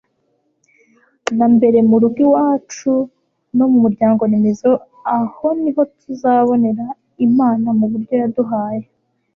na mbere mu rugo iwacu no mu muryango-remezo. aho niho tuzabonera imana mu bo yaduhaye